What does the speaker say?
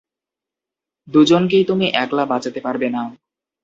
দুজনকেই তুমি একলা বাঁচাতে পারবে না।